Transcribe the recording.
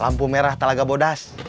lampu merah talaga bodas